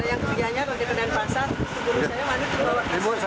ada yang keberiannya kalau di tendang pasar